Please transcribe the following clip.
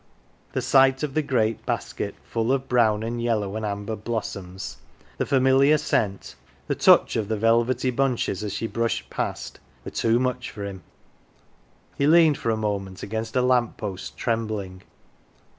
The sight of the great basket full of brown and yellow and amber blossoms, 133 "THE GILLY F'ERS" the familiar scent, the touch of the velvety bunches as she brushed past, were too much for him. He leaned for a moment against a lamp post, trembling.